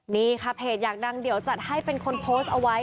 นี่ค่ะเพจอยากดังเดี๋ยวจัดให้เป็นคนโพสต์เอาไว้